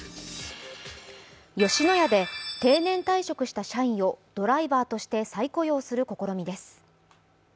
吉野家で定年退職した社員をドライバーとして再雇用する試みです。